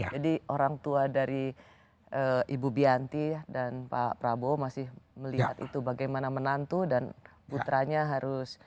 jadi orang tua dari ibu bianti dan pak prabowo masih melihat itu bagaimana menantu dan putranya harus